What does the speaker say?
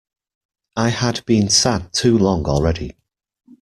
I had been sad too long already.